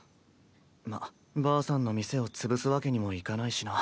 まっばあさんの店を潰すわけにもいかないしな。